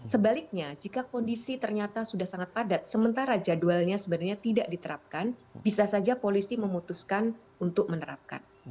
sebaliknya jika kondisi ternyata sudah sangat padat sementara jadwalnya sebenarnya tidak diterapkan bisa saja polisi memutuskan untuk menerapkan